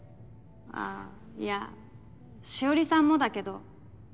あいや紫織さんもだけど。